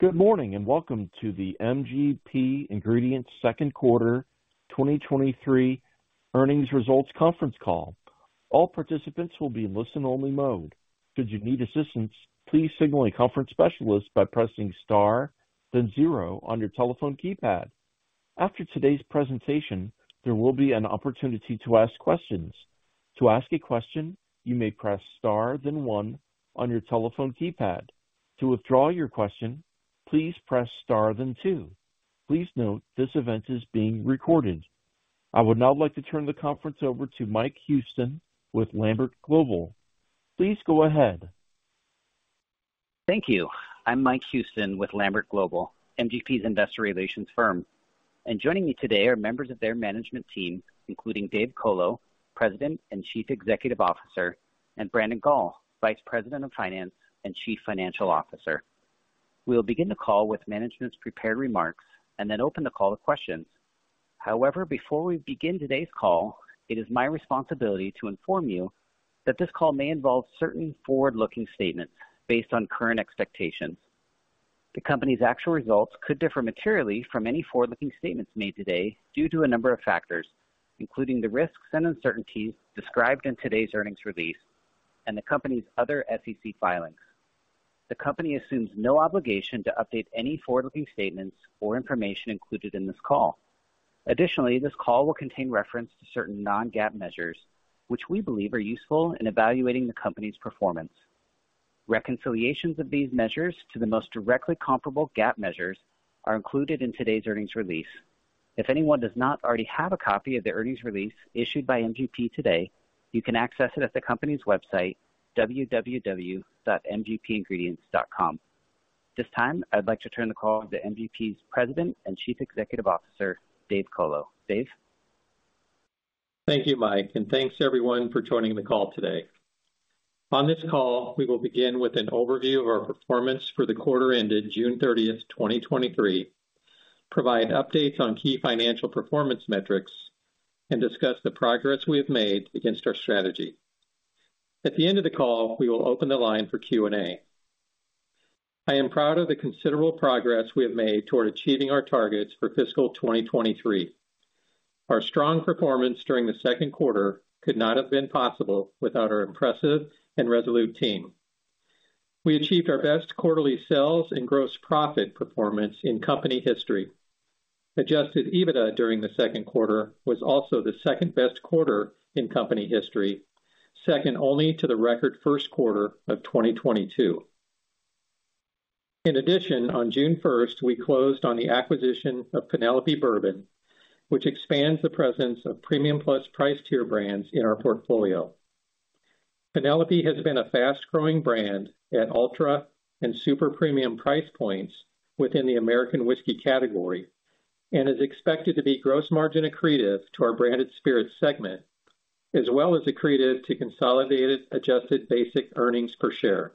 Good morning, and welcome to the MGP Ingredients Second Quarter 2023 earnings results conference call. All participants will be in listen-only mode. Should you need assistance, please signal a conference specialist by pressing Star then zero on your telephone keypad. After today's presentation, there will be an opportunity to ask questions. To ask a question, you may press Star then one on your telephone keypad. To withdraw your question, please press Star then two. Please note, this event is being recorded. I would now like to turn the conference over to Mike Houston with Lambert Global. Please go ahead. Thank you. I'm Mike Houston with Lambert Global, MGP's investor relations firm, joining me today are members of their management team, including David Colo, President and Chief Executive Officer, and Brandon Gall, Vice President of Finance and Chief Financial Officer. We will begin the call with management's prepared remarks and then open the call to questions. However, before we begin today's call, it is my responsibility to inform you that this call may involve certain forward-looking statements based on current expectations. The company's actual results could differ materially from any forward-looking statements made today due to a number of factors, including the risks and uncertainties described in today's earnings release and the company's other SEC filings. The company assumes no obligation to update any forward-looking statements or information included in this call. Additionally, this call will contain reference to certain non-GAAP measures, which we believe are useful in evaluating the company's performance. Reconciliations of these measures to the most directly comparable GAAP measures are included in today's earnings release. If anyone does not already have a copy of the earnings release issued by MGP today, you can access it at the company's website, www.mgpingredients.com. At this time, I'd like to turn the call to MGP's President and Chief Executive Officer, David Colo. Dave? Thank you, Mike, and thanks, everyone, for joining the call today. On this call, we will begin with an overview of our performance for the quarter ended June 30, 2023, provide updates on key financial performance metrics, and discuss the progress we have made against our strategy. At the end of the call, we will open the line for Q&A. I am proud of the considerable progress we have made toward achieving our targets for fiscal 2023. Our strong performance during the second quarter could not have been possible without our impressive and resolute team. We achieved our best quarterly sales and gross profit performance in company history. Adjusted EBITDA during the second quarter was also the second-best quarter in company history, second only to the record first quarter of 2022. In addition, on June 1st, we closed on the acquisition of Penelope Bourbon, which expands the presence of premium plus price tier brands in our portfolio. Penelope has been a fast-growing brand at ultra and super premium price points within the American whiskey category and is expected to be gross margin accretive to our branded spirits segment, as well as accretive to consolidated adjusted basic earnings per share.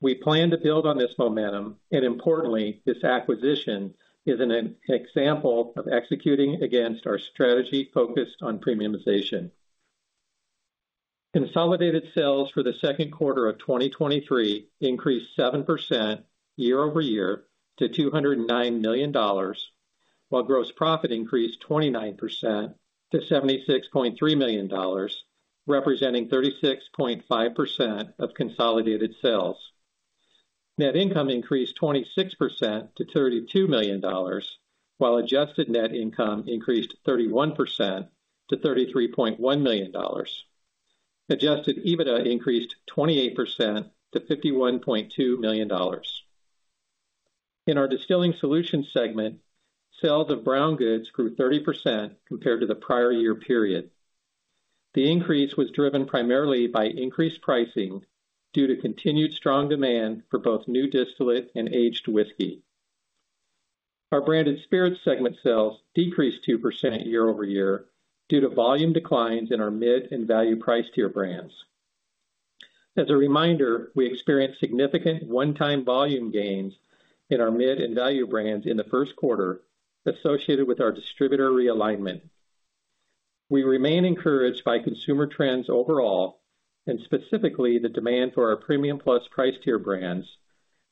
We plan to build on this momentum, and importantly, this acquisition is an example of executing against our strategy focused on premiumization. Consolidated sales for the second quarter of 2023 increased 7% year-over-year to $209 million, while gross profit increased 29% to $76.3 million, representing 36.5% of consolidated sales. Net income increased 26% to $32 million, while adjusted net income increased 31% to $33.1 million. Adjusted EBITDA increased 28% to $51.2 million. In our Distilling Solutions segment, sales of brown goods grew 30% compared to the prior year period. The increase was driven primarily by increased pricing due to continued strong demand for both new distillate and aged whiskey. Our branded spirits segment sales decreased 2% year-over-year due to volume declines in our mid and value price tier brands. As a reminder, we experienced significant one-time volume gains in our mid and value brands in the first quarter associated with our distributor realignment. We remain encouraged by consumer trends overall and specifically the demand for our premium plus price tier brands,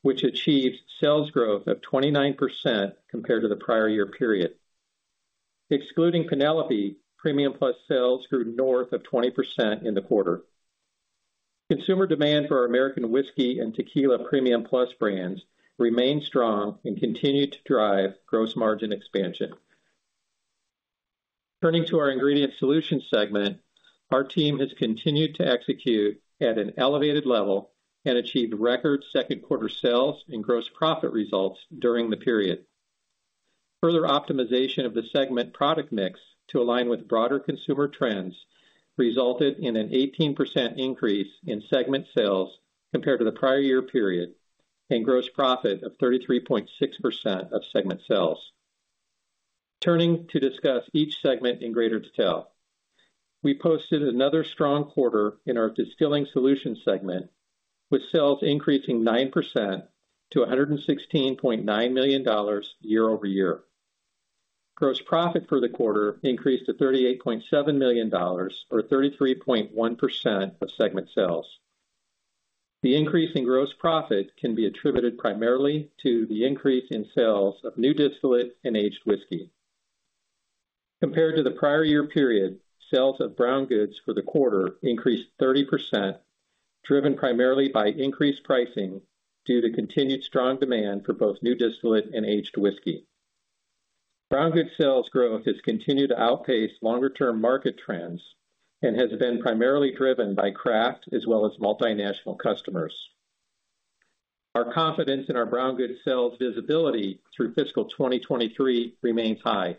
which achieved sales growth of 29% compared to the prior year period. Excluding Penelope, premium plus sales grew north of 20% in the quarter. Consumer demand for our American whiskey and tequila premium plus brands remained strong and continued to drive gross margin expansion. Turning to our Ingredient Solutions segment, our team has continued to execute at an elevated level and achieved record second quarter sales and gross profit results during the period. Further optimization of the segment product mix to align with broader consumer trends resulted in an 18% increase in segment sales compared to the prior year period, and gross profit of 33.6% of segment sales. Turning to discuss each segment in greater detail. We posted another strong quarter in our Distilling Solutions segment, with sales increasing 9% to $116.9 million year-over-year. Gross profit for the quarter increased to $38.7 million, or 33.1% of segment sales. The increase in gross profit can be attributed primarily to the increase in sales of new distillate and aged whiskey. Compared to the prior year period, sales of brown goods for the quarter increased 30%, driven primarily by increased pricing due to continued strong demand for both new distillate and aged whiskey. Brown good sales growth has continued to outpace longer-term market trends and has been primarily driven by craft as well as multinational customers. Our confidence in our brown goods sales visibility through fiscal 2023 remains high.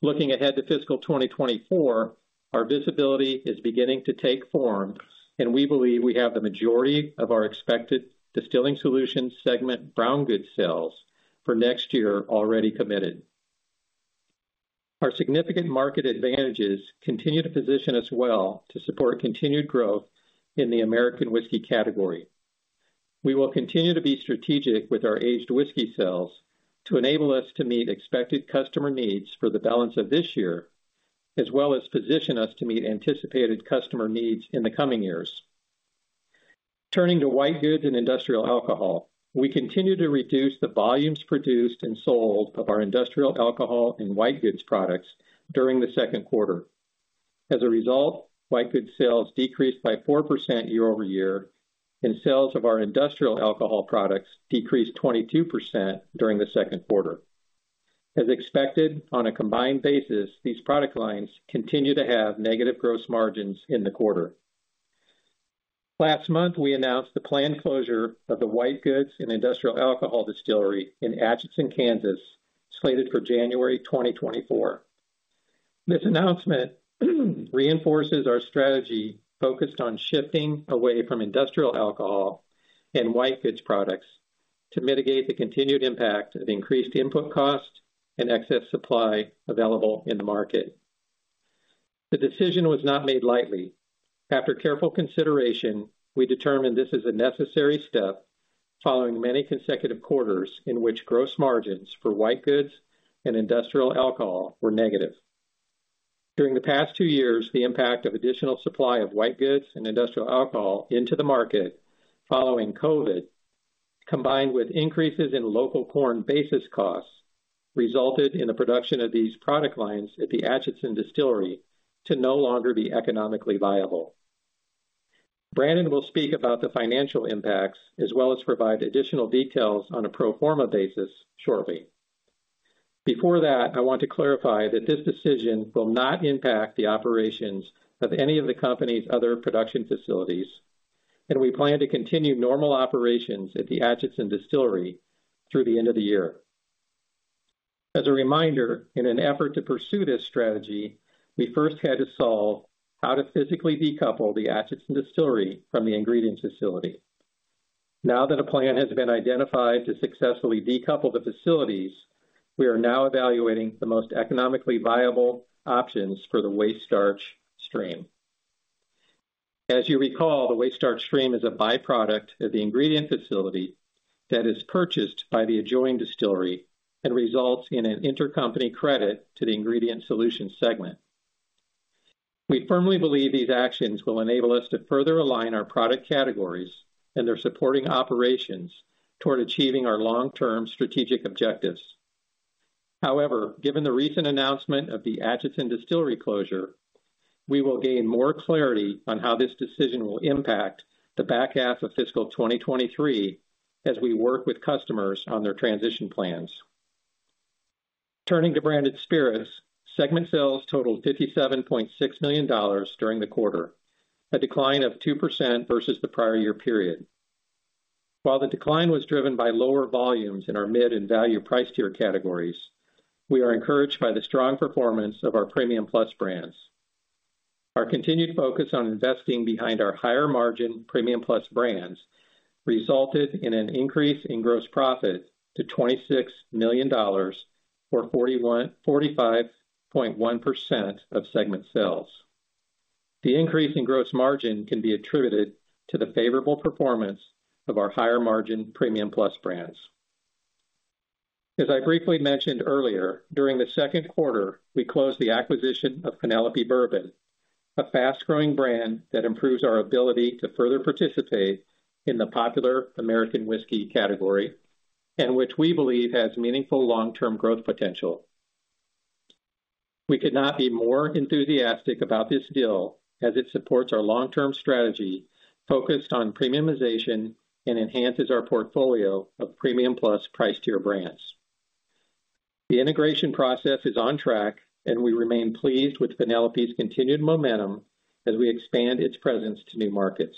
Looking ahead to fiscal 2024, our visibility is beginning to take form, and we believe we have the majority of our expected Distilling Solutions segment brown goods sales for next year already committed. Our significant market advantages continue to position us well to support continued growth in the American whiskey category. We will continue to be strategic with our aged whiskey sales to enable us to meet expected customer needs for the balance of this year, as well as position us to meet anticipated customer needs in the coming years. Turning to white goods and industrial alcohol, we continue to reduce the volumes produced and sold of our industrial alcohol and white goods products during the second quarter. As a result, white goods sales decreased by 4% year-over-year, and sales of our industrial alcohol products decreased 22% during the second quarter. As expected, on a combined basis, these product lines continue to have negative gross margins in the quarter. Last month, we announced the planned closure of the white goods and industrial alcohol distillery in Atchison, Kansas, slated for January 2024. This announcement reinforces our strategy, focused on shifting away from industrial alcohol and white goods products to mitigate the continued impact of increased input costs and excess supply available in the market. The decision was not made lightly. After careful consideration, we determined this is a necessary step following many consecutive quarters in which gross margins for white goods and industrial alcohol were negative. During the past two years, the impact of additional supply of white goods and industrial alcohol into the market following COVID, combined with increases in local corn basis costs, resulted in the production of these product lines at the Atchison Distillery to no longer be economically viable. Brandon will speak about the financial impacts, as well as provide additional details on a pro forma basis shortly. Before that, I want to clarify that this decision will not impact the operations of any of the company's other production facilities, and we plan to continue normal operations at the Atchison Distillery through the end of the year. As a reminder, in an effort to pursue this strategy, we first had to solve how to physically decouple the Atchison Distillery from the ingredient facility. Now that a plan has been identified to successfully decouple the facilities, we are now evaluating the most economically viable options for the waste starch stream. As you recall, the waste starch stream is a byproduct of the ingredient facility that is purchased by the adjoining distillery and results in an intercompany credit to the Ingredient Solutions segment. We firmly believe these actions will enable us to further align our product categories and their supporting operations toward achieving our long-term strategic objectives. However, given the recent announcement of the Atchison Distillery closure, we will gain more clarity on how this decision will impact the back half of fiscal 2023 as we work with customers on their transition plans. Turning to branded spirits, segment sales totaled $57.6 million during the quarter, a decline of 2% versus the prior year period. While the decline was driven by lower volumes in our mid and value price tier categories, we are encouraged by the strong performance of our premium plus brands. Our continued focus on investing behind our higher-margin Premium Plus brands resulted in an increase in gross profit to $26 million, or 45.1% of segment sales. The increase in gross margin can be attributed to the favorable performance of our higher-margin Premium Plus brands. As I briefly mentioned earlier, during the second quarter, we closed the acquisition of Penelope Bourbon, a fast-growing brand that improves our ability to further participate in the popular American whiskey category, and which we believe has meaningful long-term growth potential. We could not be more enthusiastic about this deal as it supports our long-term strategy focused on premiumization and enhances our portfolio of Premium Plus price tier brands. The integration process is on track, and we remain pleased with Penelope's continued momentum as we expand its presence to new markets.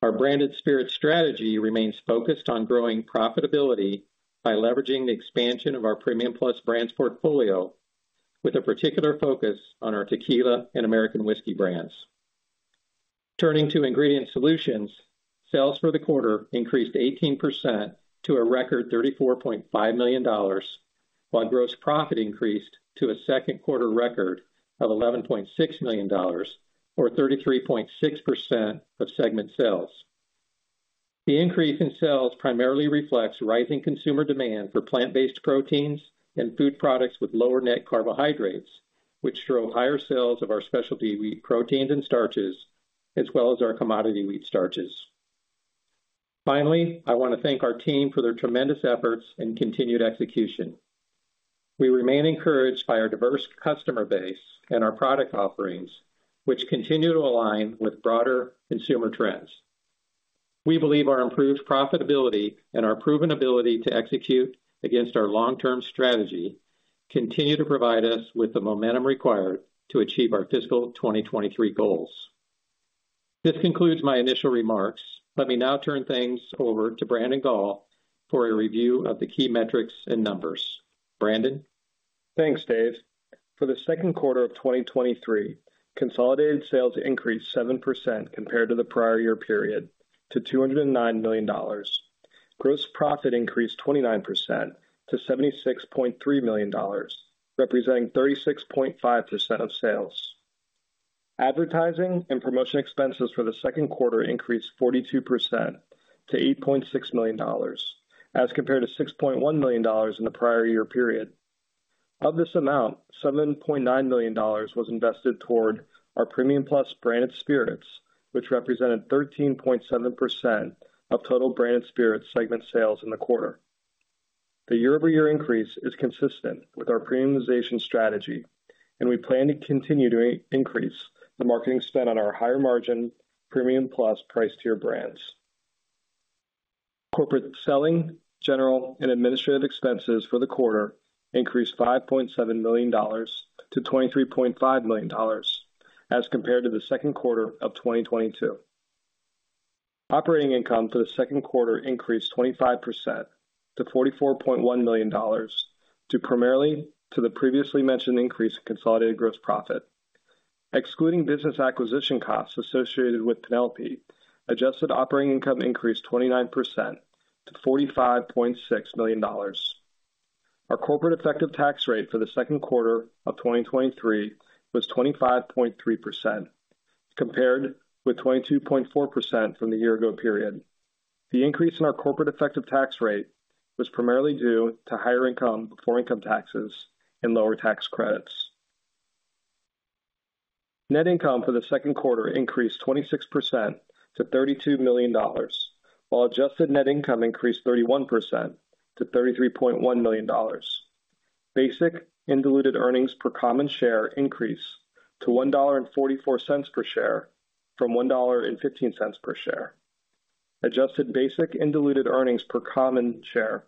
Our branded spirit strategy remains focused on growing profitability by leveraging the expansion of our Premium Plus brands portfolio, with a particular focus on our tequila and American whiskey brands. Turning to Ingredient Solutions, sales for the quarter increased 18% to a record $34.5 million, while gross profit increased to a second quarter record of $11.6 million, or 33.6% of segment sales. The increase in sales primarily reflects rising consumer demand for plant-based proteins and food products with lower net carbohydrates, which drove higher sales of our specialty wheat proteins and starches, as well as our commodity wheat starches. Finally, I want to thank our team for their tremendous efforts and continued execution. We remain encouraged by our diverse customer base and our product offerings, which continue to align with broader consumer trends. We believe our improved profitability and our proven ability to execute against our long-term strategy continue to provide us with the momentum required to achieve our fiscal 2023 goals. This concludes my initial remarks. Let me now turn things over to Brandon Gall for a review of the key metrics and numbers. Brandon? Thanks, Dave. For the second quarter of 2023, consolidated sales increased 7% compared to the prior year period, to $209 million. Gross profit increased 29% to $76.3 million, representing 36.5% of sales. Advertising and promotion expenses for the second quarter increased 42% to $8.6 million, as compared to $6.1 million in the prior year period. Of this amount, $7.9 million was invested toward our Premium Plus branded spirits, which represented 13.7% of total branded spirits segment sales in the quarter. The year-over-year increase is consistent with our premiumization strategy, and we plan to continue to increase the marketing spend on our higher margin Premium Plus price tier brands. Corporate selling, general and administrative expenses for the quarter increased $5.7 million-$23.5 million as compared to the second quarter of 2022. Operating income for the second quarter increased 25% to $44.1 million, primarily to the previously mentioned increase in consolidated gross profit. Excluding business acquisition costs associated with Penelope, adjusted operating income increased 29% to $45.6 million. Our corporate effective tax rate for the second quarter of 2023 was 25.3%, compared with 22.4% from the year ago period. The increase in our corporate effective tax rate was primarily due to higher income before income taxes and lower tax credits. Net income for the second quarter increased 26% to $32 million, while adjusted net income increased 31% to $33.1 million. Basic and diluted earnings per common share increased to $1.44 per share from $1.15 per share. Adjusted basic and diluted earnings per common share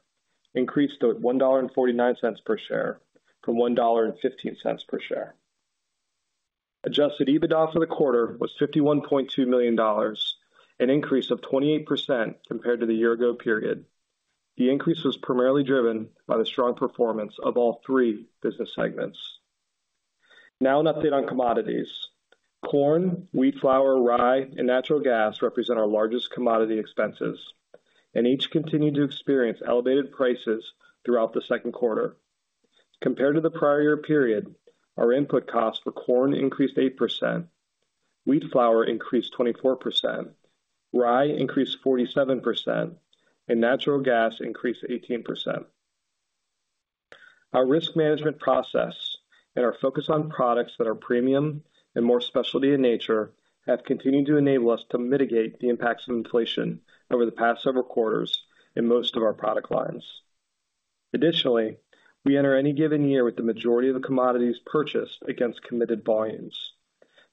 increased to $1.49 per share from $1.15 per share. Adjusted EBITDA for the quarter was $51.2 million, an increase of 28% compared to the year ago period. The increase was primarily driven by the strong performance of all three business segments. Now an update on commodities. Corn, wheat, flour, rye, and natural gas represent our largest commodity expenses, and each continued to experience elevated prices throughout the second quarter. Compared to the prior year period, our input costs for corn increased 8%, wheat flour increased 24%, rye increased 47%, and natural gas increased 18%. Our risk management process and our focus on products that are premium and more specialty in nature have continued to enable us to mitigate the impacts of inflation over the past several quarters in most of our product lines. Additionally, we enter any given year with the majority of the commodities purchased against committed volumes.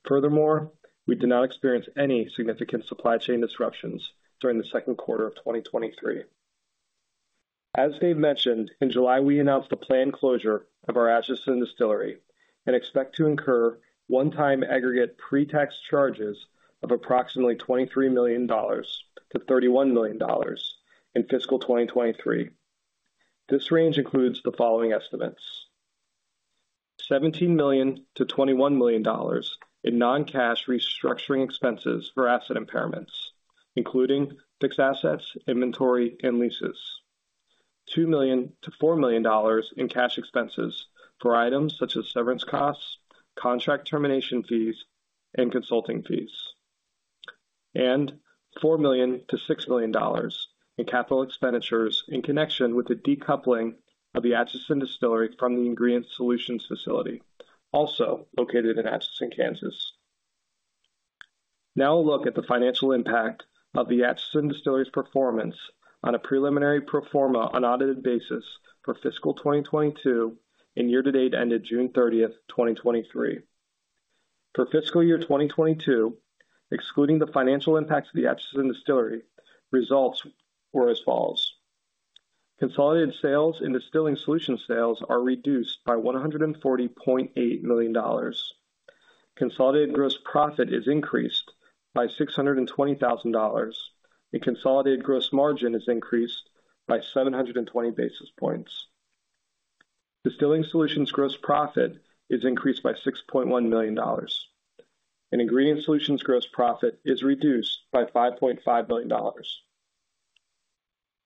Furthermore, we did not experience any significant supply chain disruptions during the second quarter of 2023. As Dave mentioned, in July, we announced the planned closure of our Atchison Distillery and expect to incur one-time aggregate pre-tax charges of approximately $23 million-$31 million in fiscal 2023. This range includes the following estimates: $17 million-$21 million in non-cash restructuring expenses for asset impairments, including fixed assets, inventory, and leases. $2 million-$4 million in cash expenses for items such as severance costs, contract termination fees, and consulting fees. $4 million-$6 million in capital expenditures in connection with the decoupling of the Atchison Distillery from the Ingredient Solutions facility, also located in Atchison, Kansas. Now a look at the financial impact of the Atchison Distillery's performance on a preliminary pro forma unaudited basis for fiscal 2022 and year to date, ended June 30, 2023. For fiscal year 2022, excluding the financial impact of the Atchison Distillery, results were as follows: consolidated sales and Distilling Solutions sales are reduced by $140.8 million. Consolidated gross profit is increased by $620,000, and consolidated gross margin is increased by 720 basis points. Distilling Solutions gross profit is increased by $6.1 million. Ingredient Solutions gross profit is reduced by $5.5 million.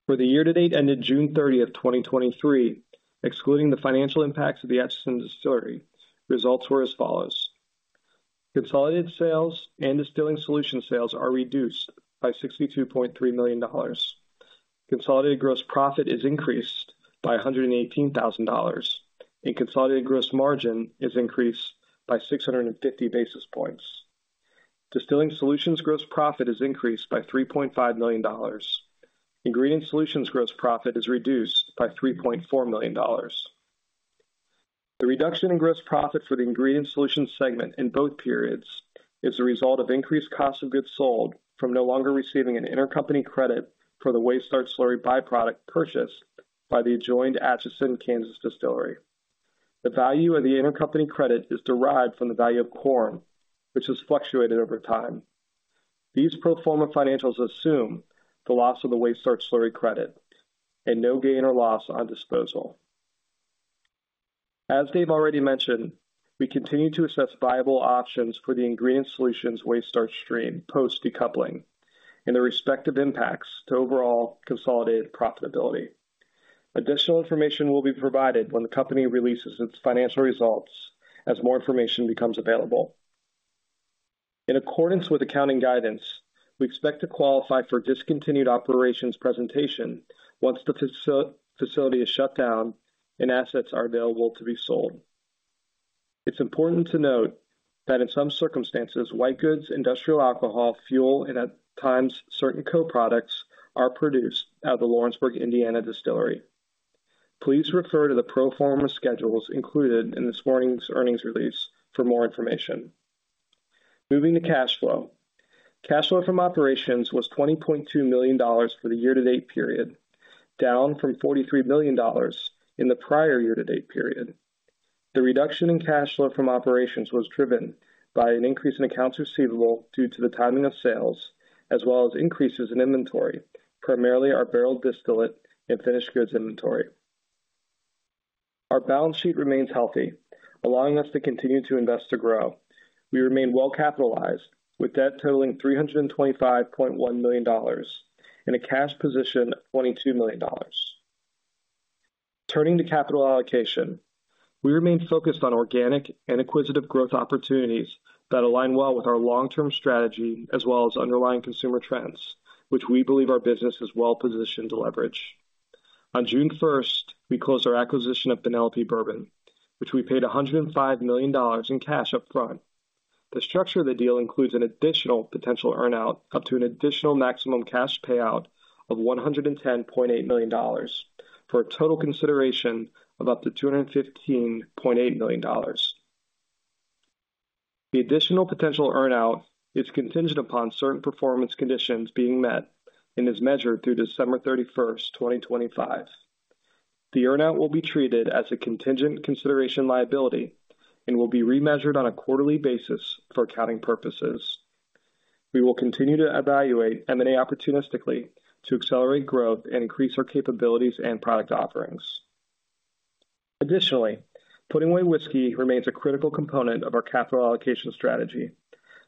For the year-to-date ended June 30, 2023, excluding the financial impacts of the Atchison Distillery, results were as follows: consolidated sales and Distilling Solutions sales are reduced by $62.3 million. Consolidated gross profit is increased by $118,000. Consolidated gross margin is increased by 650 basis points. Distilling Solutions gross profit is increased by $3.5 million. Ingredient Solutions gross profit is reduced by $3.4 million. The reduction in gross profit for the Ingredient Solutions segment in both periods is a result of increased cost of goods sold from no longer receiving an intercompany credit for the waste starch slurry byproduct purchased by the adjoined Atchison, Kansas Distillery. The value of the intercompany credit is derived from the value of corn, which has fluctuated over time. These pro forma financials assume the loss of the waste starch slurry credit and no gain or loss on disposal. As Dave already mentioned, we continue to assess viable options for the Ingredient Solutions waste starch stream post-decoupling and the respective impacts to overall consolidated profitability. Additional information will be provided when the company releases its financial results as more information becomes available. In accordance with accounting guidance, we expect to qualify for discontinued operations presentation once the facility is shut down and assets are available to be sold. It's important to note that in some circumstances, white goods, industrial alcohol, fuel, and at times, certain co-products, are produced at the Lawrenceburg, Indiana distillery. Please refer to the pro forma schedules included in this morning's earnings release for more information. Moving to cash flow. Cash flow from operations was $20.2 million for the year-to-date period, down from $43 million in the prior year-to-date period. The reduction in cash flow from operations was driven by an increase in accounts receivable due to the timing of sales, as well as increases in inventory, primarily our barreled distillate and finished goods inventory. Our balance sheet remains healthy, allowing us to continue to invest to grow. We remain well capitalized, with debt totaling $325.1 million and a cash position of $22 million. Turning to capital allocation, we remain focused on organic and acquisitive growth opportunities that align well with our long-term strategy, as well as underlying consumer trends, which we believe our business is well positioned to leverage. On June 1st, we closed our acquisition of Penelope Bourbon, which we paid $105 million in cash upfront. The structure of the deal includes an additional potential earn-out, up to an additional maximum cash payout of $110.8 million, for a total consideration of up to $215.8 million. The additional potential earn-out is contingent upon certain performance conditions being met and is measured through December 31st, 2025. The earn-out will be treated as a contingent consideration liability and will be remeasured on a quarterly basis for accounting purposes. We will continue to evaluate M&A opportunistically to accelerate growth and increase our capabilities and product offerings. Additionally, putting away whiskey remains a critical component of our capital allocation strategy.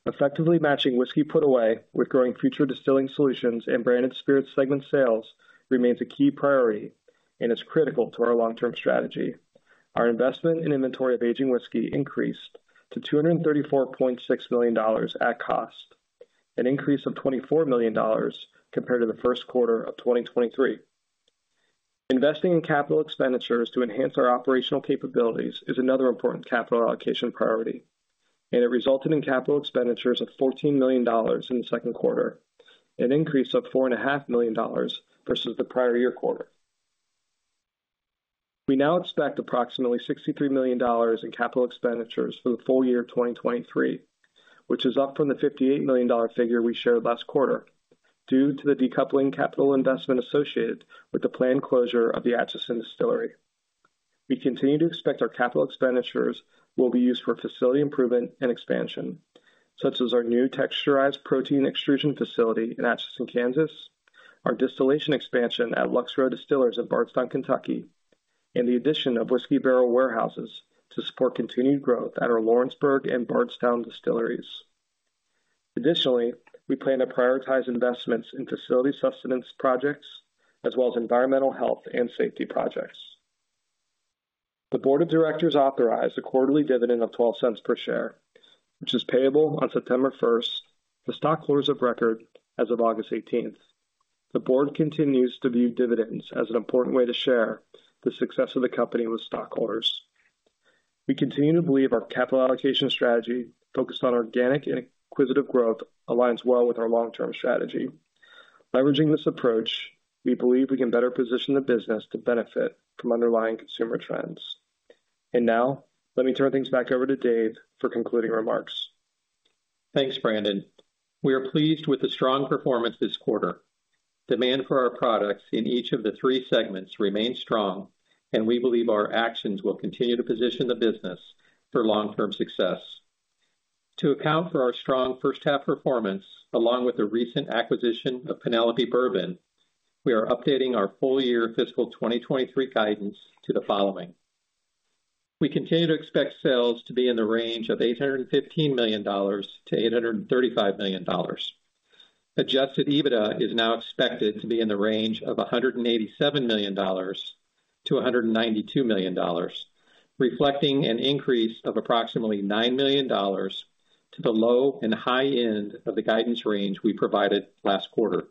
Effectively matching whiskey put away with growing future Distilling Solutions and branded spirits segment sales remains a key priority and is critical to our long-term strategy. Our investment in inventory of aging whiskey increased to $234.6 million at cost, an increase of $24 million compared to the first quarter of 2023. Investing in capital expenditures to enhance our operational capabilities is another important capital allocation priority, and it resulted in capital expenditures of $14 million in the second quarter, an increase of $4.5 million versus the prior year quarter. We now expect approximately $63 million in capital expenditures for the full year of 2023, which is up from the $58 million figure we shared last quarter, due to the decoupling capital investment associated with the planned closure of the Atchison Distillery. We continue to expect our capital expenditures will be used for facility improvement and expansion, such as our new texturized protein extrusion facility in Atchison, Kansas, our distillation expansion at Lux Row Distillers in Bardstown, Kentucky, and the addition of whiskey barrel warehouses to support continued growth at our Lawrenceburg and Bardstown distilleries. Additionally, we plan to prioritize investments in facility sustenance projects as well as environmental, health, and safety projects. The Board of Directors authorized a quarterly dividend of $0.12 per share, which is payable on September 1st for stockholders of record as of August 18. The board continues to view dividends as an important way to share the success of the company with stockholders. We continue to believe our capital allocation strategy, focused on organic and acquisitive growth, aligns well with our long-term strategy. Leveraging this approach, we believe we can better position the business to benefit from underlying consumer trends. Now, let me turn things back over to Dave for concluding remarks. Thanks, Brandon. We are pleased with the strong performance this quarter. Demand for our products in each of the three segments remains strong. We believe our actions will continue to position the business for long-term success. To account for our strong first half performance, along with the recent acquisition of Penelope Bourbon, we are updating our full-year fiscal 2023 guidance to the following. We continue to expect sales to be in the range of $815 million-$835 million. Adjusted EBITDA is now expected to be in the range of $187 million-$192 million, reflecting an increase of approximately $9 million to the low and high end of the guidance range we provided last quarter.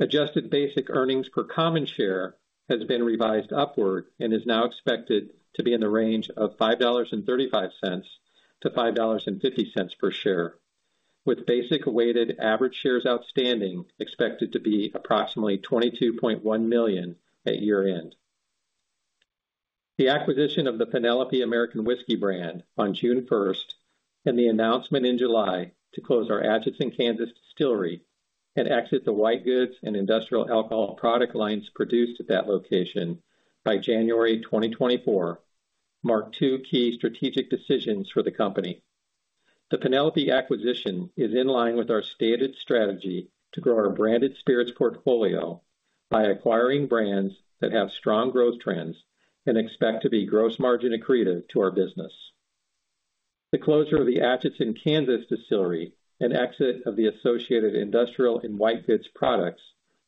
Adjusted basic earnings per common share has been revised upward and is now expected to be in the range of $5.35-$5.50 per share, with basic weighted average shares outstanding, expected to be approximately 22.1 million at year-end. The acquisition of the Penelope American Whiskey brand on June 1st, and the announcement in July to close our Atchison, Kansas distillery and exit the white goods and industrial alcohol product lines produced at that location by January 2024, Marc two key strategic decisions for the company. The Penelope acquisition is in line with our stated strategy to grow our branded spirits portfolio by acquiring brands that have strong growth trends and expect to be gross margin accretive to our business. The closure of the Atchison, Kansas distillery and exit of the associated industrial and white goods products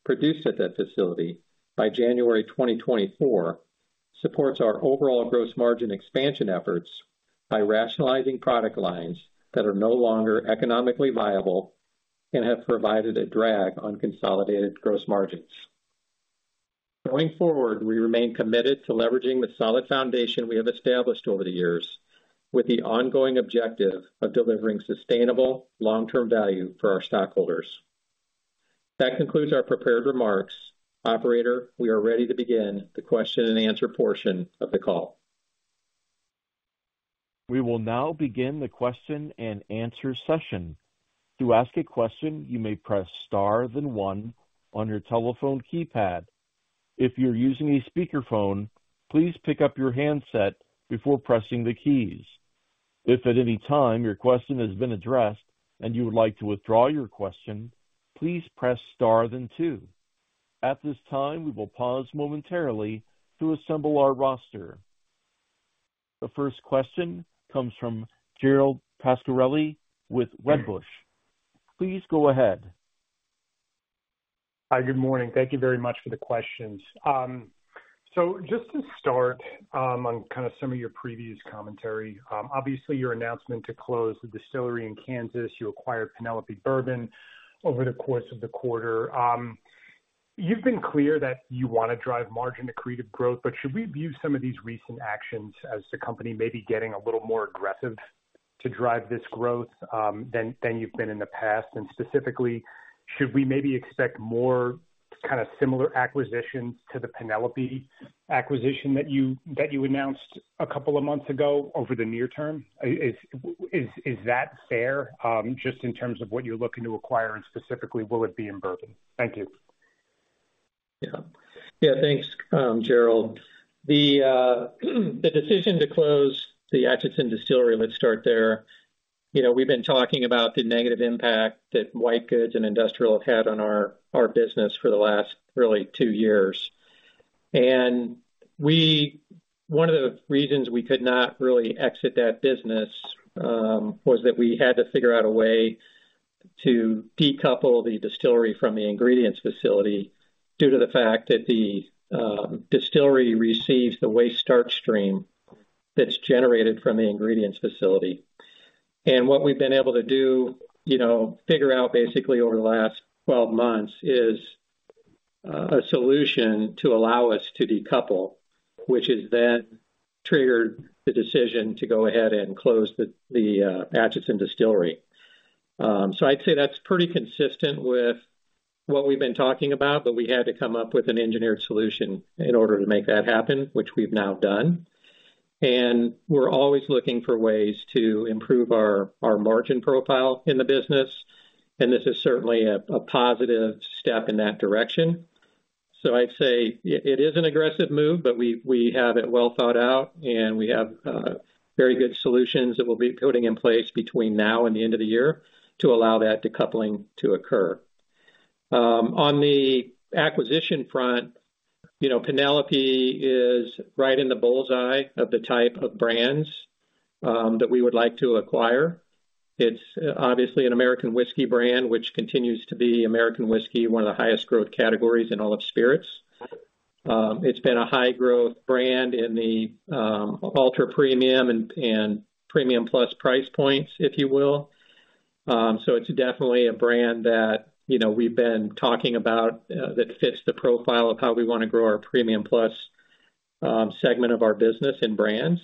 produced at that facility by January 2024, supports our overall gross margin expansion efforts by rationalizing product lines that are no longer economically viable and have provided a drag on consolidated gross margins. Going forward, we remain committed to leveraging the solid foundation we have established over the years with the ongoing objective of delivering sustainable long-term value for our stockholders. That concludes our prepared remarks. Operator, we are ready to begin the question-and-answer portion of the call. We will now begin the question-and-answer session. To ask a question, you may press star, then one on your telephone keypad. If you're using a speakerphone, please pick up your handset before pressing the keys. If at any time your question has been addressed and you would like to withdraw your question, please press star then two. At this time, we will pause momentarily to assemble our roster. The first question comes from Gerald Pascarelli with Wedbush. Please go ahead. Hi, good morning. Thank you very much for the questions. Just to start, on kind of some of your previous commentary. Obviously, your announcement to close the distillery in Kansas, you acquired Penelope Bourbon over the course of the quarter. You've been clear that you want to drive margin accretive growth, but should we view some of these recent actions as the company may be getting a little more aggressive to drive this growth, than, than you've been in the past? Specifically, should we maybe expect more kind of similar acquisitions to the Penelope acquisition that you, that you announced a couple of months ago over the near term? Is, is, is that fair, just in terms of what you're looking to acquire, and specifically, will it be in bourbon? Thank you. Yeah. Yeah, thanks, Gerald. The decision to close the Atchison Distillery, let's start there. You know, we've been talking about the negative impact that white goods and industrial have had on our business for the last really two years. One of the reasons we could not really exit that business was that we had to figure out a way to decouple the distillery from the ingredients facility due to the fact that the distillery receives the waste starch stream that's generated from the ingredients facility. What we've been able to do, you know, figure out basically over the last 12 months, is a solution to allow us to decouple, which has then triggered the decision to go ahead and close the Atchison Distillery. I'd say that's pretty consistent with what we've been talking about, but we had to come up with an engineered solution in order to make that happen, which we've now done. We're always looking for ways to improve our, our margin profile in the business, and this is certainly a, a positive step in that direction. I'd say it, it is an aggressive move, but we've, we have it well thought out, and we have very good solutions that we'll be putting in place between now and the end of the year to allow that decoupling to occur. On the acquisition front, you know, Penelope is right in the bull's eye of the type of brands that we would like to acquire. It's obviously an American whiskey brand, which continues to be American whiskey, one of the highest growth categories in all of spirits. It's been a high growth brand in the ultra-premium and premium plus price points, if you will. It's definitely a brand that, you know, we've been talking about that fits the profile of how we want to grow our premium plus segment of our business and brands.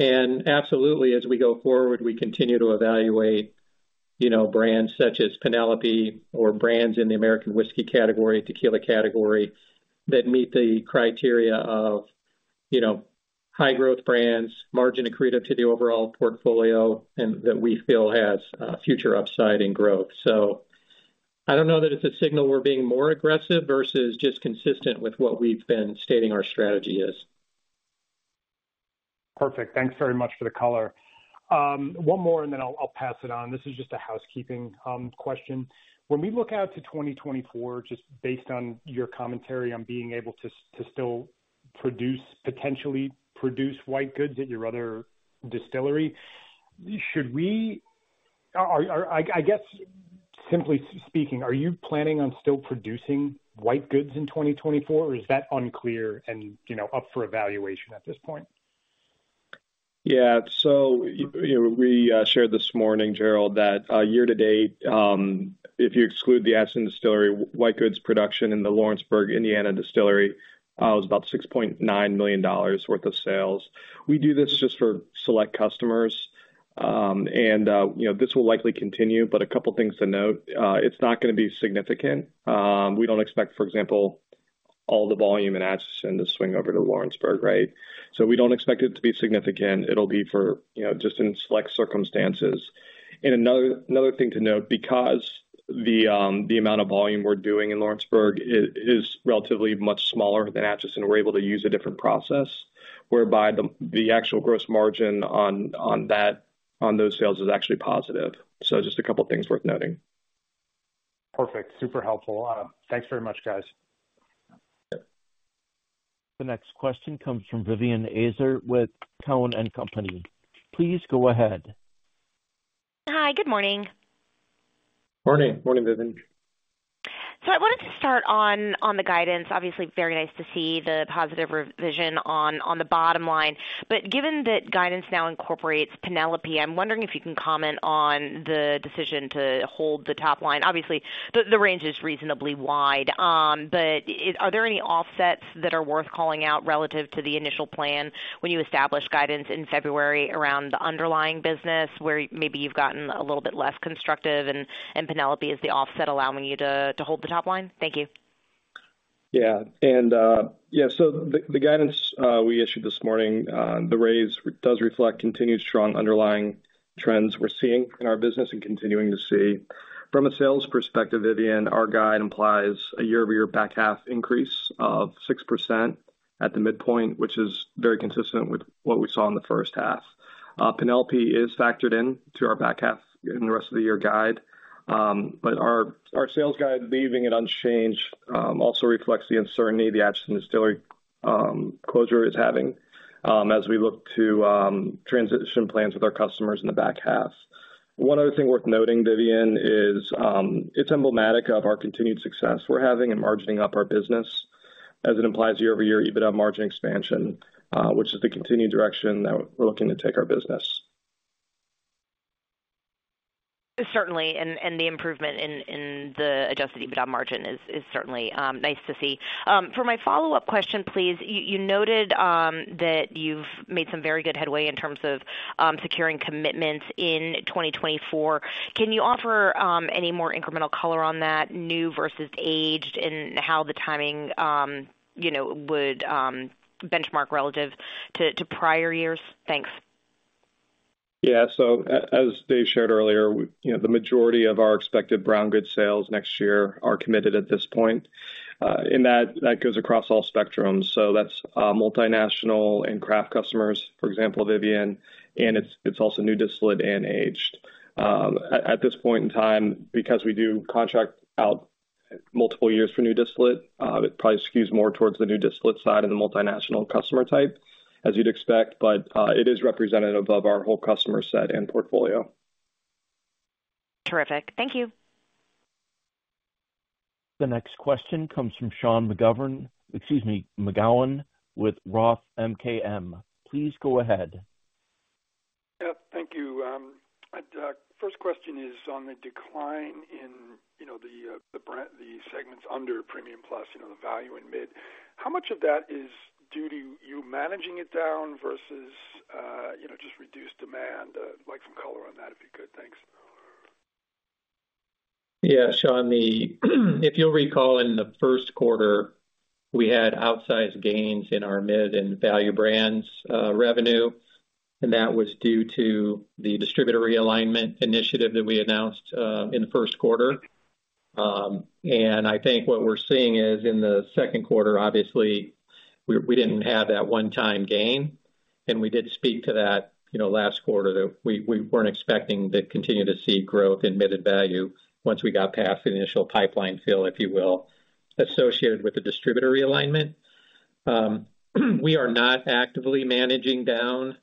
Absolutely, as we go forward, we continue to evaluate, you know, brands such as Penelope or brands in the American whiskey category, tequila category, that meet the criteria of, you know, high growth brands, margin accretive to the overall portfolio, and that we feel has future upside in growth. I don't know that it's a signal we're being more aggressive versus just consistent with what we've been stating our strategy is. Perfect. Thanks very much for the color. One more, and then I'll, I'll pass it on. This is just a housekeeping question. When we look out to 2024, just based on your commentary on being able to still produce, potentially produce white goods at your other distillery, I guess, simply speaking, are you planning on still producing white goods in 2024, or is that unclear and, you know, up for evaluation at this point? Yeah. you know, we shared this morning, Gerald, that year to date, if you exclude the Atchison Distillery, white goods production in the Lawrenceburg, Indiana, distillery was about $6.9 million worth of sales. We do this just for select customers. you know, this will likely continue, but a couple things to note. It's not gonna be significant. We don't expect, for example, all the volume in Atchison to swing over to Lawrenceburg, right? We don't expect it to be significant. It'll be for, you know, just in select circumstances. Another, another thing to note, because the, the amount of volume we're doing in Lawrenceburg is, is relatively much smaller than Atchison, we're able to use a different process, whereby the, the actual gross margin on, on that, on those sales is actually positive. Just a couple things worth noting. Perfect. Super helpful. Thanks very much, guys. The next question comes from Vivien Azer with Cowen and Company. Please go ahead. Hi, good morning. Morning. Morning, Vivien. I wanted to start on, on the guidance. Obviously, very nice to see the positive revision on, on the bottom line. But given that guidance now incorporates Penelope, I'm wondering if you can comment on the decision to hold the top line. Obviously, the, the range is reasonably wide, but are there any offsets that are worth calling out relative to the initial plan when you established guidance in February around the underlying business, where maybe you've gotten a little bit less constructive and Penelope is the offset allowing you to, to hold the top line? Thank you. The guidance we issued this morning, the raise does reflect continued strong underlying trends we're seeing in our business and continuing to see. From a sales perspective, Vivien, our guide implies a year-over-year back half increase of 6% at the midpoint, which is very consistent with what we saw in the first half. Penelope is factored in to our back half in the rest of the year guide, but our sales guide, leaving it unchanged, also reflects the uncertainty the Atchison Distillery closure is having, as we look to transition plans with our customers in the back half. One other thing worth noting, Vivien, is, it's emblematic of our continued success we're having in margining up our business as it implies year-over-year EBITDA margin expansion, which is the continued direction that we're looking to take our business. Certainly, and, and the improvement in, in the Adjusted EBITDA margin is, is certainly nice to see. For my follow-up question, please, you noted that you've made some very good headway in terms of securing commitments in 2024. Can you offer any more incremental color on that, new versus aged, and how the timing, you know, would benchmark relative to, to prior years? Thanks. Yeah, as Dave shared earlier, you know, the majority of our expected brown goods sales next year are committed at this point, and that, that goes across all spectrums. That's multinational and craft customers, for example, Vivien, and it's, it's also new distillate and aged. At this point in time, because we do contract out multiple years for new distillate, it probably skews more towards the new distillate side of the multinational customer type, as you'd expect, but it is representative of our whole customer set and portfolio. Terrific. Thank you. The next question comes from Sean McGowan, excuse me, McGowan with Roth MKM. Please go ahead. Yeah, thank you. First question is on the decline in, you know, the, the segments under premium plus, you know, the value in mid. How much of that is due to you managing it down versus, you know, just reduced demand? I'd like some color on that, if you could. Thanks. Yeah, Sean, the if you'll recall, in the first quarter, we had outsized gains in our mid and value brands, revenue, and that was due to the distributor realignment initiative that we announced, in the first quarter. I think what we're seeing is, in the second quarter, obviously we, we didn't have that one-time gain, and we did speak to that, you know, last quarter, that we, we weren't expecting to continue to see growth in mid and value once we got past the initial pipeline fill, if you will, associated with the distributor realignment. We are not actively managing down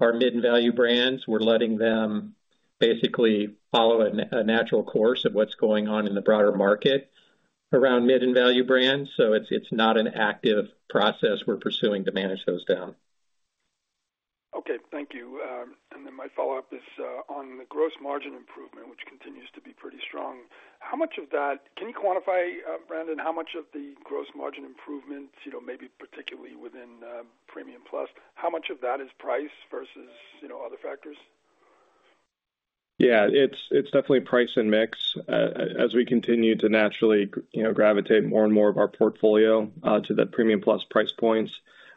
our mid and value brands. We're letting them basically follow a natural course of what's going on in the broader market around mid and value brands, so it's, it's not an active process we're pursuing to manage those down. Okay. Thank you. Then my follow-up is on the gross margin improvement, which continues to be pretty strong. How much of that... Can you quantify, Brandon, how much of the gross margin improvements, you know, maybe particularly within premium plus, how much of that is price versus, you know, other factors? Yeah, it's, it's definitely price and mix. As we continue to naturally, you know, gravitate more and more of our portfolio to the premium plus price points,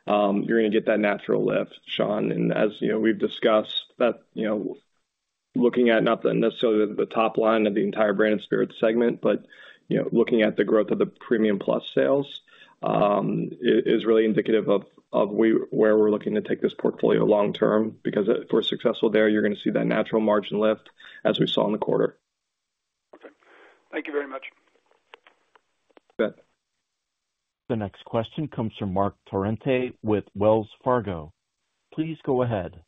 you're gonna get that natural lift, Sean. As, you know, we've discussed, that, you know, looking at not necessarily the top line of the entire brand and spirit segment, but, you know, looking at the growth of the premium plus sales, is really indicative of where we're looking to take this portfolio long term, because if we're successful there, you're gonna see that natural margin lift as we saw in the quarter. Okay. Thank you very much. Good. The next question comes from Marc Torrente with Wells Fargo. Please go ahead.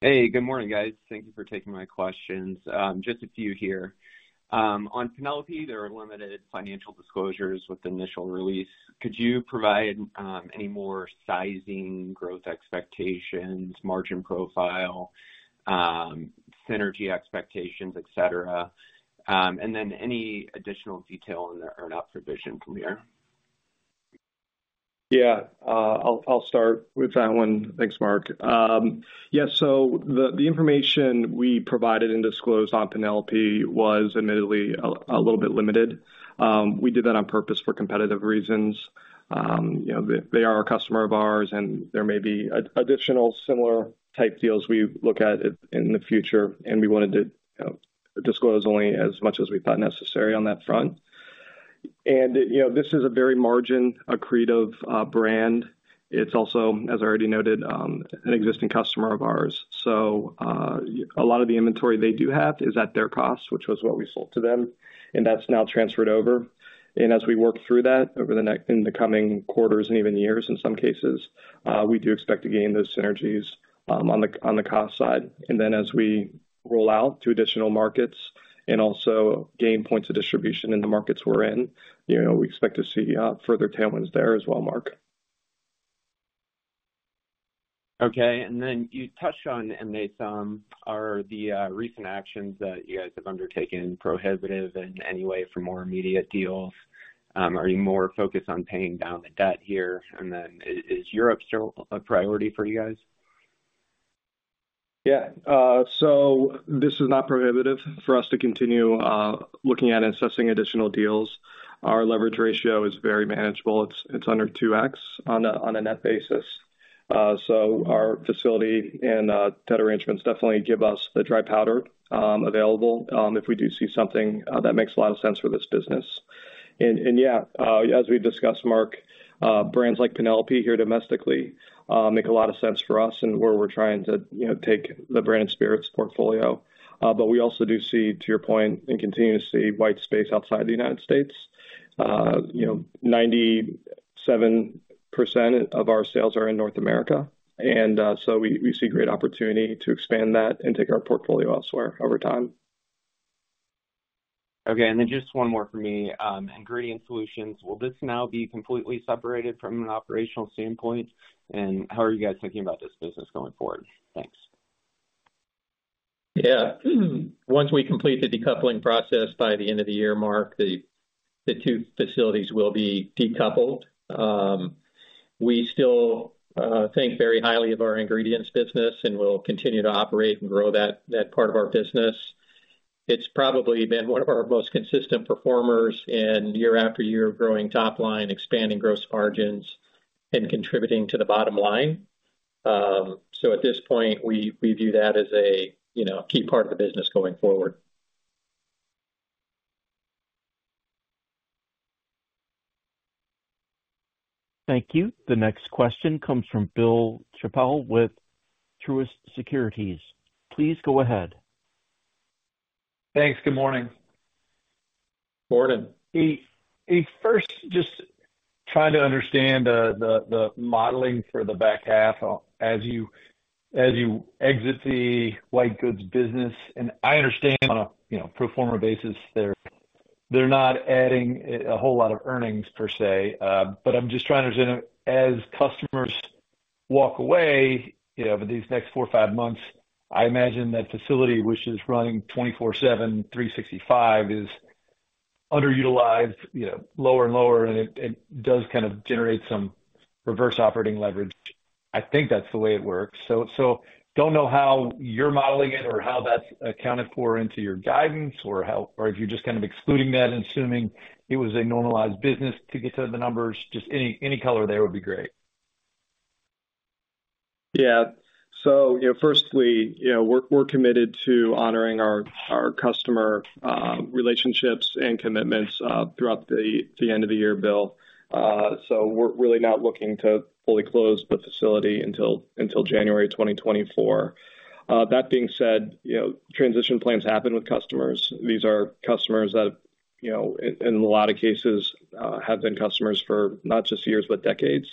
Hey, good morning, guys. Thank you for taking my questions. Just a few here. On Penelope, there are limited financial disclosures with the initial release. Could you provide any more sizing, growth expectations, margin profile, synergy expectations, et cetera? Then any additional detail on the earn-out provision from here? Yeah, I'll, I'll start with that one. Thanks, Mark. Yeah, so the, the information we provided and disclosed on Penelope was admittedly a, a little bit limited. We did that on purpose for competitive reasons. You know, they, they are a customer of ours, and there may be additional similar type deals we look at in, in the future, and we wanted to, you know, disclose only as much as we thought necessary on that front. You know, this is a very margin accretive brand. It's also, as I already noted, an existing customer of ours. A lot of the inventory they do have is at their cost, which was what we sold to them, and that's now transferred over. As we work through that over the next in the coming quarters and even years, in some cases, we do expect to gain those synergies, on the, on the cost side. Then as we roll out to additional markets and also gain points of distribution in the markets we're in, you know, we expect to see further tailwinds there as well, Marc. Okay, you touched on M&A some. Are the recent actions that you guys have undertaken prohibitive in any way for more immediate deals? Are you more focused on paying down the debt here? Is, is Europe still a priority for you guys? Yeah, so this is not prohibitive for us to continue looking at and assessing additional deals. Our leverage ratio is very manageable. It's, it's under 2x on a net basis. So our facility and debt arrangements definitely give us the dry powder available if we do see something that makes a lot of sense for this business. And yeah, as we've discussed, Marc, brands like Penelope here domestically make a lot of sense for us and where we're trying to, you know, take the brand and spirits portfolio. But we also do see, to your point, and continue to see white space outside the United States. you know, 97% of our sales are in North America, and, so we, we see great opportunity to expand that and take our portfolio elsewhere over time. Okay, and then just one more for me. Ingredient Solutions, will this now be completely separated from an operational standpoint? How are you guys thinking about this business going forward? Thanks. Yeah. Once we complete the decoupling process by the end of the year, Marc, the two facilities will be decoupled. We still think very highly of our ingredients business, and we'll continue to operate and grow that, that part of our business. It's probably been one of our most consistent performers in year after year, growing top line, expanding gross margins, and contributing to the bottom line. At this point, we view that as a key part of the business going forward. Thank you. The next question comes from Bill Chappell with Truist Securities. Please go ahead. Thanks. Good morning. Morning. First, just trying to understand the modeling for the back half as you, as you exit the white goods business. I understand on a, you know, pro forma basis, they're not adding a whole lot of earnings per se, but I'm just trying to understand, as customers walk away, you know, over these next four or five months, I imagine that facility, which is running 24/7, 365, is underutilized, you know, lower and lower, and it does kind of generate some reverse operating leverage. I think that's the way it works. Don't know how you're modeling it or how that's accounted for into your guidance, or how or if you're just kind of excluding that and assuming it was a normalized business to get to the numbers, just any, any color there would be great. Yeah. You know, firstly, you know, we're, we're committed to honoring our, our customer, relationships and commitments, throughout the, the end of the year, Bill. We're really not looking to fully close the facility until, until January 2024. That being said, you know, transition plans happen with customers. These are customers that, you know, in, in a lot of cases, have been customers for not just years, but decades.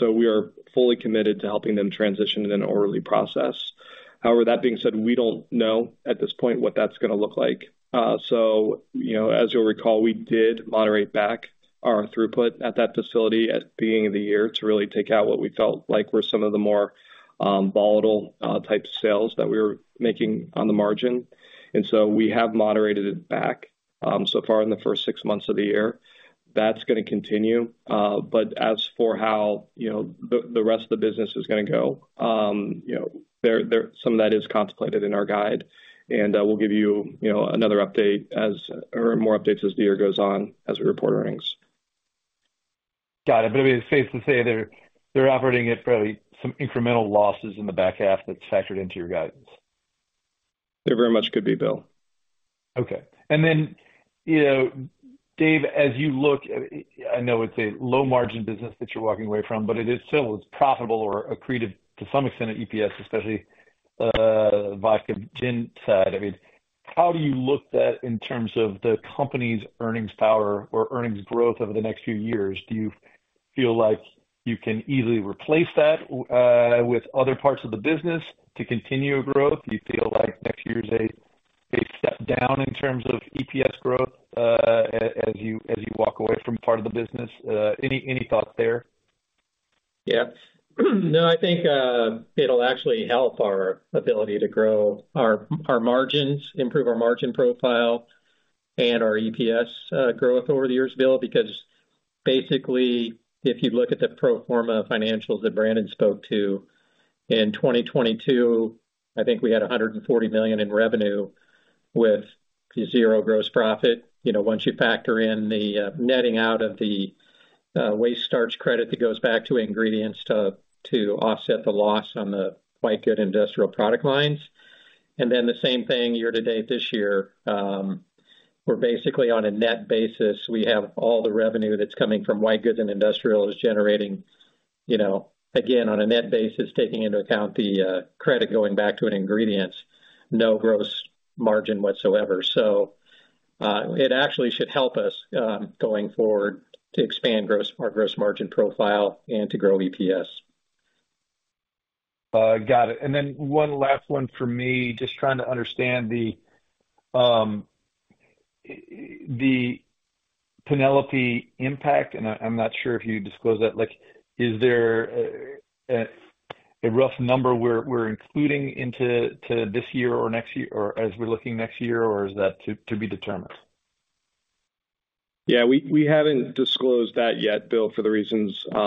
We are fully committed to helping them transition in an orderly process. However, that being said, we don't know at this point what that's gonna look like. You know, as you'll recall, we did moderate back our throughput at that facility at the beginning of the year to really take out what we felt like were some of the more, volatile, type sales that we were making on the margin. We have moderated it back, so far in the first 6 months of the year. That's gonna continue, but as for how, you know, the, the rest of the business is gonna go, you know, there, some of that is contemplated in our guide, and, we'll give you, you know, another update as or more updates as the year goes on, as we report earnings. Got it. I mean, it's safe to say they're, they're operating at probably some incremental losses in the back half that's factored into your guidance? They very much could be, Bill. Okay. You know, Dave, as you look, I know it's a low margin business that you're walking away from, but it is still, it's profitable or accretive to some extent at EPS, especially, vodka, gin side. I mean, how do you look that in terms of the company's earnings power or earnings growth over the next few years? Do you feel like you can easily replace that with other parts of the business to continue growth? Do you feel like next year is a, a step down in terms of EPS growth, as you, as you walk away from part of the business? Any, any thoughts there? Yeah. No, I think it'll actually help our ability to grow our margins, improve our margin profile and our EPS growth over the years, Bill, because basically, if you look at the pro forma financials that Brandon spoke to, in 2022, I think we had $140 million in revenue with zero gross profit. You know, once you factor in the netting out of the waste starch credit that goes back to ingredients to offset the loss on the white good industrial product lines. The same thing year to date this year. We're basically on a net basis, we have all the revenue that's coming from white goods and industrial is generating, you know, again, on a net basis, taking into account the credit going back to an ingredients, no gross margin whatsoever. It actually should help us going forward to expand our gross margin profile and to grow EPS. Got it. One last one for me. Just trying to understand the Penelope impact, and I, I'm not sure if you disclosed that. Like, is there a rough number we're, we're including into, to this year or next year, or as we're looking next year, or is that to, to be determined? Yeah, we, we haven't disclosed that yet, Bill, for the reasons, you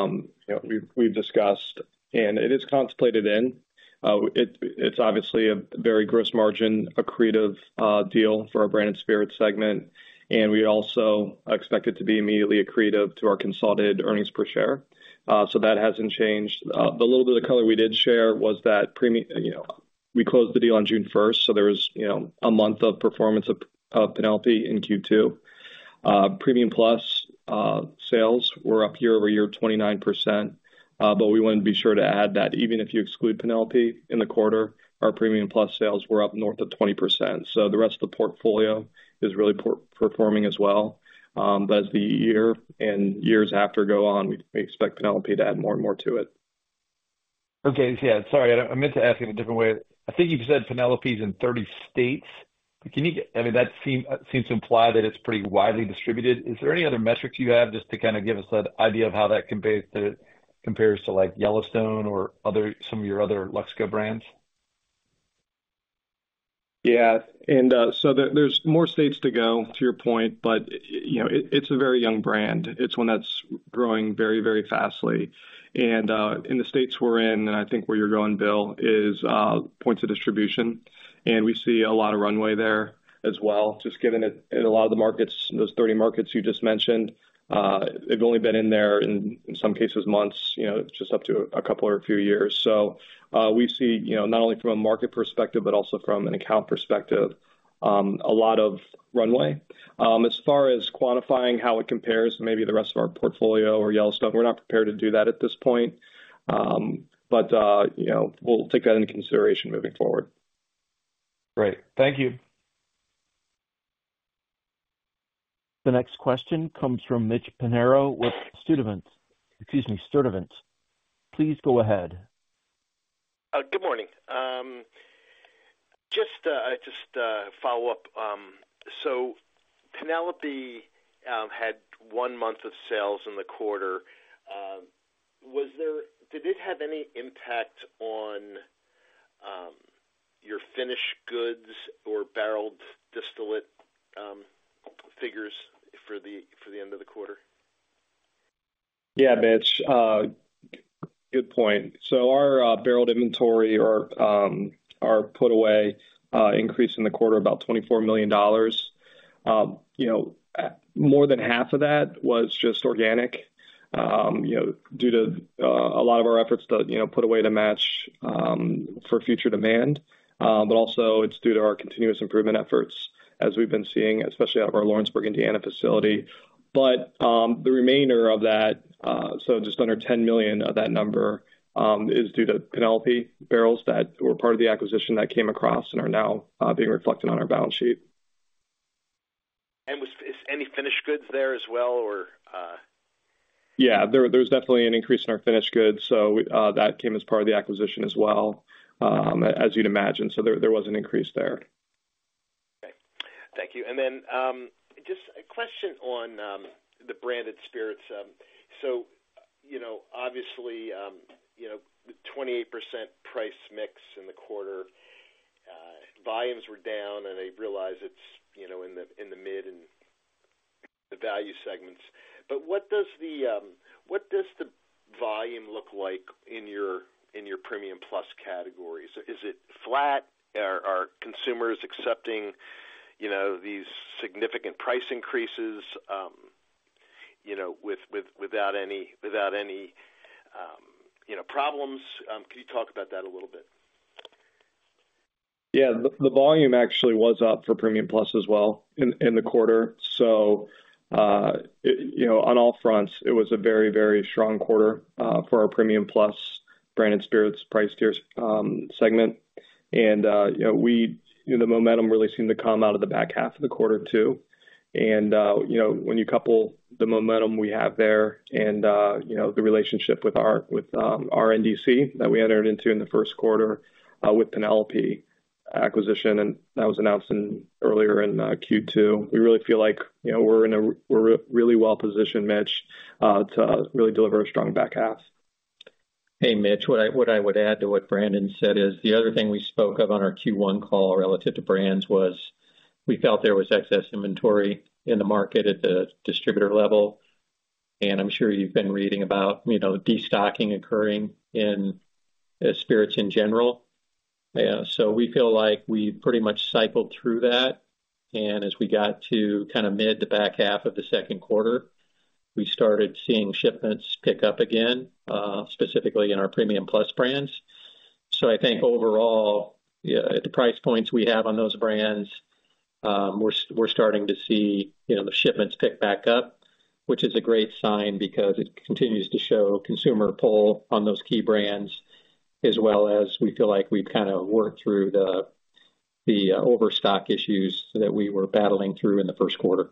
know, we've, we've discussed, and it is contemplated in. It's obviously a very gross margin accretive deal for our branded spirit segment, and we also expect it to be immediately accretive to our consolidated earnings per share. That hasn't changed. The little bit of color we did share was that premium, you know, we closed the deal on June 1st, so there was, you know, a month of performance of Penelope in Q2. Premium plus sales were up year-over-year 29%, but we wanted to be sure to add that even if you exclude Penelope in the quarter, our premium plus sales were up north of 20%. The rest of the portfolio is really poor-performing as well. As the year and years after go on, we, we expect Penelope to add more and more to it. Okay, yeah, sorry, I, I meant to ask it a different way. I think you've said Penelope's in 30 states. Can you... I mean, that seems to imply that it's pretty widely distributed. Is there any other metrics you have just to kind of give us an idea of how that compares to, compares to, like, Yellowstone or other, some of your other Luxco brands? Yeah, there, there's more states to go, to your point, but, you know, it, it's a very young brand. It's one that's growing very, very fastly. In the states we're in, and I think where you're going, Bill, is, points of distribution, and we see a lot of runway there as well, just given it, in a lot of the markets, those 30 markets you just mentioned, they've only been in there, in, in some cases, months, you know, just up to a couple or a few years. We see, you know, not only from a market perspective, but also from an account perspective, a lot of runway. As far as quantifying how it compares to maybe the rest of our portfolio or Yellowstone, we're not prepared to do that at this point. You know, we'll take that into consideration moving forward. Great. Thank you. The next question comes from Mitchell Pinheiro with Sturdivant. Excuse me, Sturdivant. Please go ahead. Good morning. Just, just, follow up. Penelope had one month of sales in the quarter. Was there-- did it have any impact on your finished goods or barreled distillate figures for the end of the quarter? Yeah, Mitch, good point. Our barreled inventory or, our put away, increased in the quarter, about $24 million. You know, more than half of that was just organic, you know, due to a lot of our efforts to, you know, put away to match for future demand. But also it's due to our continuous improvement efforts as we've been seeing, especially out of our Lawrenceburg, Indiana, facility. The remainder of that, so just under $10 million of that number, is due to Penelope barrels that were part of the acquisition that came across and are now being reflected on our balance sheet. Was, is any finished goods there as well, or? Yeah, there, there was definitely an increase in our finished goods, so we, that came as part of the acquisition as well, as you'd imagine. There, there was an increase there. Okay. Thank you. Then, just a question on the branded spirits. You know, obviously, you know, the 28% price mix in the quarter, volumes were down, and I realize it's, you know, in the mid and the value segments, but what does the, what does the br-... look like in your premium plus categories? Is it flat? Are consumers accepting, you know, these significant price increases, with, with-- without any, without any, you know, problems? Can you talk about that a little bit? Yeah. The, the volume actually was up for premium plus as well in, in the quarter. It, you know, on all fronts, it was a very, very strong quarter for our premium plus branded spirits, price tiers, segment. You know, we, you know, the momentum really seemed to come out of the back half of the quarter, too. You know, when you couple the momentum we have there and, you know, the relationship with our, with, our RNDC that we entered into in the first quarter, with Penelope acquisition, and that was announced in earlier in Q2. We really feel like, you know, we're really well positioned, Mitch, to really deliver a strong back half. Hey, Mitch, what I, what I would add to what Brandon said is, the other thing we spoke of on our Q1 call relative to brands was we felt there was excess inventory in the market at the distributor level, and I'm sure you've been reading about, you know, destocking occurring in spirits in general. We feel like we pretty much cycled through that, and as we got to kinda mid to back half of the second quarter, we started seeing shipments pick up again, specifically in our premium plus brands. I think overall, yeah, at the price points we have on those brands, we're starting to see, you know, the shipments pick back up, which is a great sign because it continues to show consumer pull on those key brands, as well as we feel like we've kinda worked through the overstock issues that we were battling through in the first quarter.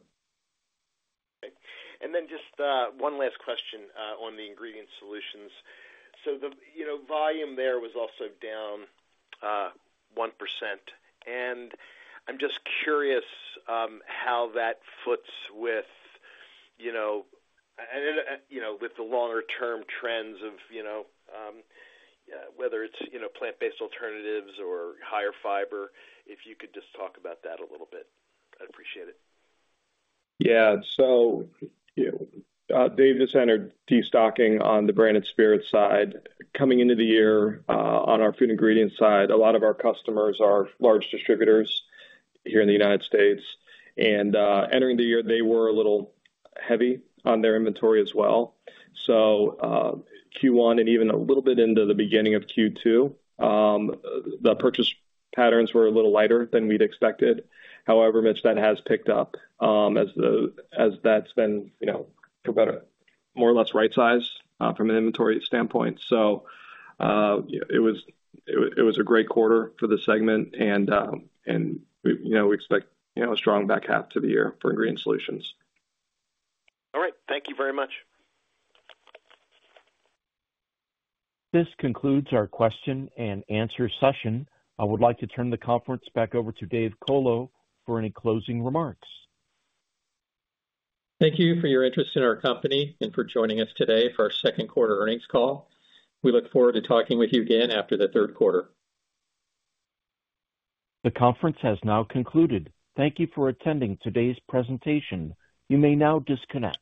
Okay. Just one last question on the Ingredient Solutions. The, you know, volume there was also down 1%, and I'm just curious how that fits with, you know, you know, with the longer-term trends of, you know, whether it's, you know, plant-based alternatives or higher fiber, if you could just talk about that a little bit, I'd appreciate it? Yeah. Dave just entered destocking on the branded spirits side. Coming into the year, on our food ingredient side, a lot of our customers are large distributors here in the United States, and, entering the year, they were a little heavy on their inventory as well. Q1 and even a little bit into the beginning of Q2, the purchase patterns were a little lighter than we'd expected. However, Mitch, that has picked up, as the, as that's been, you know, better, more or less right-sized, from an inventory standpoint. It was, it, it was a great quarter for the segment, and, and, we, you know, we expect, you know, a strong back half to the year for Ingredient Solutions. All right. Thank you very much. This concludes our question and answer session. I would like to turn the conference back over to David Colo for any closing remarks. Thank you for your interest in our company and for joining us today for our second quarter earnings call. We look forward to talking with you again after the third quarter. The conference has now concluded. Thank you for attending today's presentation. You may now disconnect.